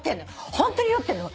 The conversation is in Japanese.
ホントに酔ってるの。